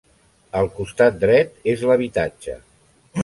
El costat dret és l'habitatge.